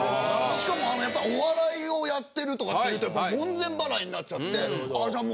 しかもやっぱお笑いをやってるとかって言うと門前払いになっちゃってじゃあ